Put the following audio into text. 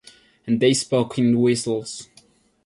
And they spoke in whistles.